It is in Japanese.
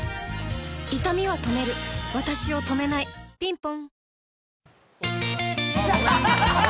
いたみは止めるわたしを止めないぴんぽん